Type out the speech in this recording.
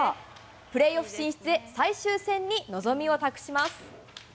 プレーオフ進出へ、最終戦に望みを託します。